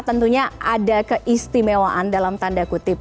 tentunya ada keistimewaan dalam tanda kutip